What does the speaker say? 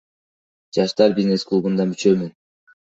Жаштар бизнес клубунда мүчөмүн.